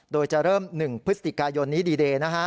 โดยจะเริ่ม๑พฤศติกายนนิดีเดย์